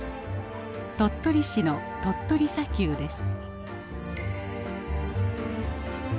鳥取市の鳥取砂丘です。